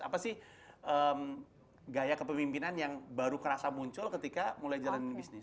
apa sih gaya kepemimpinan yang baru kerasa muncul ketika mulai jalanin bisnis